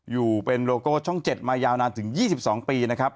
อยู่เป็นโลโก้ช่อง๗มายาวนานถึง๒๒ปีนะครับ